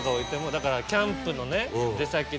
だからキャンプのね出先で。